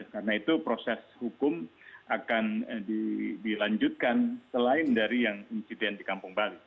karena itu proses hukum akan dilanjutkan selain dari yang insiden di kampung bali